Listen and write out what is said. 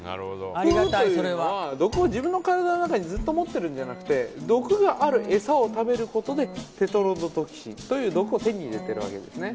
フグというのは毒を自分の体の中にずっと持ってるんじゃなくて毒がある餌を食べることでテトロドトキシンという毒を手に入れてるわけですね。